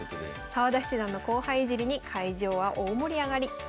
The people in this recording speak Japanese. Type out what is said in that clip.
澤田七段の後輩いじりに会場は大盛り上がり。